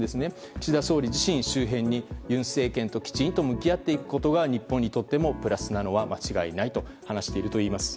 岸田総理自身周辺に尹政権ときちんと向き合っていくことが日本にとってもプラスなのは間違いないと話しているといいます。